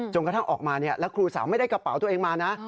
กระทั่งออกมาแล้วครูสาวไม่ได้กระเป๋าตัวเองมานะ